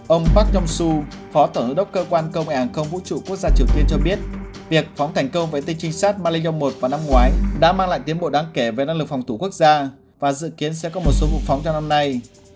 ông park yong su phó tổng hợp đốc cơ quan công an hàng không vũ trụ quốc gia triều tiên cho biết việc phóng thành công vệ tinh trinh sát malion một vào năm ngoái đã mang lại tiến bộ đáng kể về năng lực phòng thủ quốc gia và dự kiến sẽ có một số vụ phóng trong năm nay